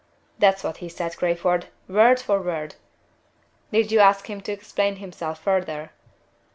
That's what he said, Crayford, word for word." "Did you ask him to explain himself further?"